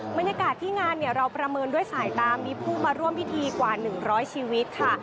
บรรยากาศที่งานเนี่ยเราประเมินด้วยสายตามีผู้มาร่วมพิธีกว่า๑๐๐ชีวิตค่ะ